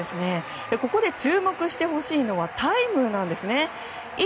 ここで注目してほしいのはタイムなんですね。